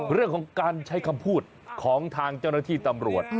เรื่องของการใช้คำพูดของทางเจ้าหน้าที่ตำรวจ